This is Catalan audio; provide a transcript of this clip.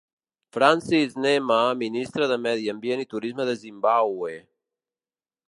Francis Nhema, ministre de Medi Ambient i Turisme de Zimbabwe.